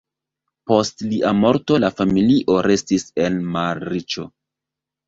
Post lia morto la familio restis en malriĉo.